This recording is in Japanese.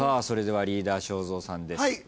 それではリーダー正蔵さんです。